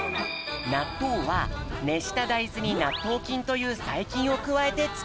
なっとうはねっしただいずになっとうきんというさいきんをくわえてつくる。